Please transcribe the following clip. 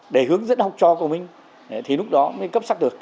để hướng dẫn học trò của mình thì lúc đó mới cấp sắc được